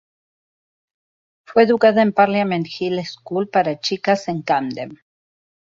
Fue educada en Parliament Hill School para chicas en Camden.